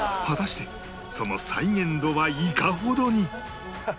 果たしてその再現度はいかほどに？